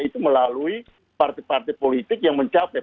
itu melalui partai partai politik yang mencapai